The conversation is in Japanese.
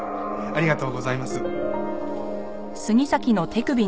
ありがとうございます。